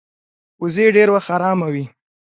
وزې ډېر وخت آرامه وي